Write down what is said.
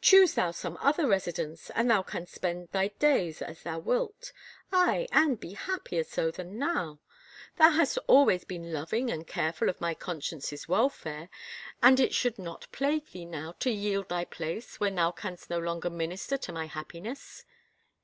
Choose thou some other residence and thou canst spend thy days as thou wilt — aye, and be happier so than now. Thou hast 134 A ROYAL TfiTE X TfiTE always been loving and careful of my conscience's welfare and it should not plague thee now to yield thy place when thou canst no longer minister to my happiness